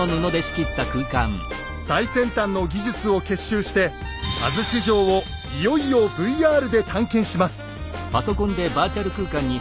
最先端の技術を結集して安土城をいよいよＶＲで探検します。